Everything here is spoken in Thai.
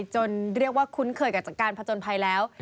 จนเรียกว่าคุ้นเคยกับจากการผจญภัยแล้ว